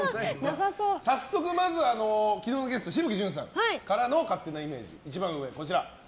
早速、まずは昨日のゲスト紫吹淳さんからの勝手なイメージ、一番上。